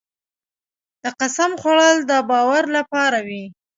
د قسم خوړل د باور لپاره وي.